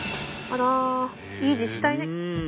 あらいい自治体ね。